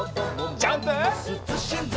ジャンプ！